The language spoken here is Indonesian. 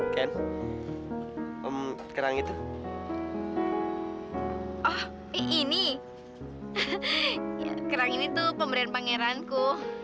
ken om kerang itu oh ini kerang itu pemberian pangeranku